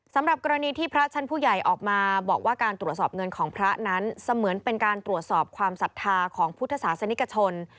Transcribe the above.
สำหรับกรณีที่พระชั้นผู้ใหญ่ออกมาบอกว่าการตรวจสอบเงินของพระนั้นเสมือนเป็นการตรวจสอบความศรัทธาของพุทธศาสนิกชน